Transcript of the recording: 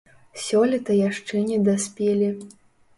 Сёлета яшчэ не даспелі.